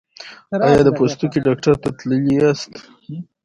ایا د پوستکي ډاکټر ته تللي یاست؟